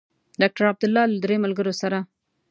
ډاکټر عبدالله له درې ملګرو سره.